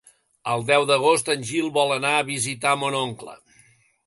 El deu d'agost en Gil vol anar a visitar mon oncle.